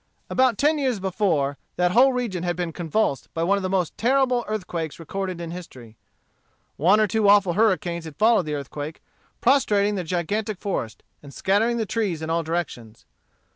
About ten years before, that whole region had been convulsed by one of the most terrible earthquakes recorded in history. One or two awful hurricanes had followed the earthquake, prostrating the gigantic forest, and scattering the trees in all directions.